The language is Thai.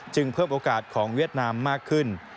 เพิ่มโอกาสของเวียดนามมากขึ้น